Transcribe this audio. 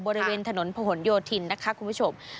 บริเวณถนนผนโยธินนะคะคุณผู้ชม